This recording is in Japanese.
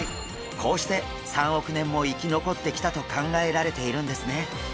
こうして３億年も生き残ってきたと考えられているんですね。